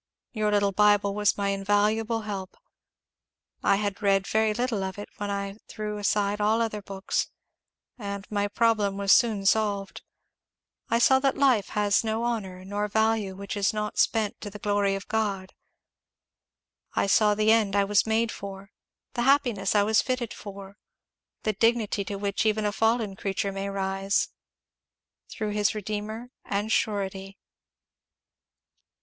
Your little Bible was my invaluable help. I had read very little of it when I threw aside all other books; and my problem was soon solved. I saw that the life has no honour nor value which is not spent to the glory of God. I saw the end I was made for the happiness I was fitted for the dignity to which even a fallen creature may rise, through his dear Redeemer and surety."